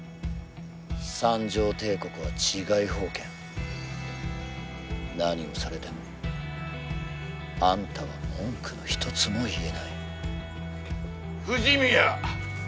三条帝国は治外法権何をされてもあんたは文句のひとつも言えない藤宮